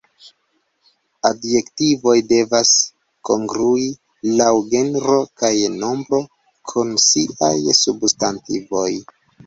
Adjektivoj devas kongrui laŭ genro kaj nombro kun siaj substantivoj.